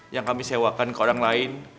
yang kami sewakan ke orang lain